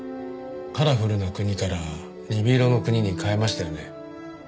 『カラフルなくに』から『鈍色のくに』に変えましたよね。